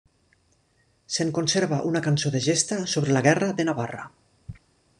Se'n conserva una cançó de gesta sobre la guerra de Navarra.